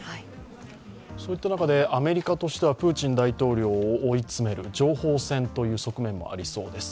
そういった中で、アメリカとしてはプーチン大統領を追い詰める情報戦という側面もありそうです。